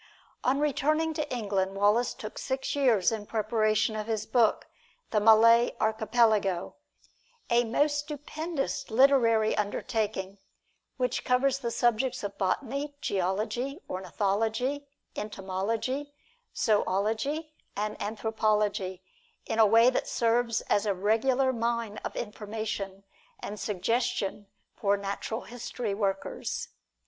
On returning to England, Wallace took six years in preparation of his book, "The Malay Archipelago," a most stupendous literary undertaking, which covers the subjects of botany, geology, ornithology, entomology, zoology and anthropology, in a way that serves as a regular mine of information and suggestion for natural history workers.